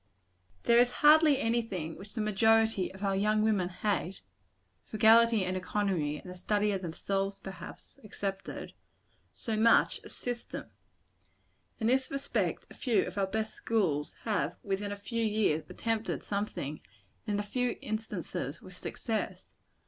There is hardly any thing which the majority of our young women hate frugality and economy, and the study of themselves, perhaps, excepted so much as system. In this respect a few of our best schools have, within a few years, attempted something; and, in a few instances, with success.